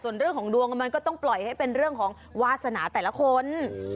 ส่วนเรื่องของดวงมันก็ต้องปล่อยให้เป็นเรื่องของวาสนาแต่ละคน